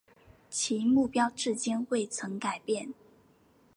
其目标至今未曾改变。